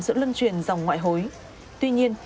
sự lân truyền dòng ngoại hối tuy nhiên